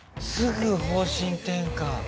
すぐ方針転換。